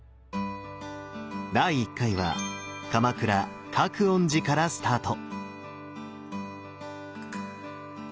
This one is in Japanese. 第１回は鎌倉・覚園寺からスタート！